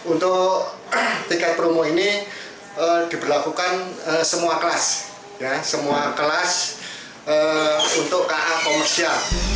untuk tiket promo ini diberlakukan semua kelas semua kelas untuk ka komersial